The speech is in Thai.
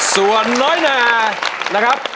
ส่วนน้อยนานะครับ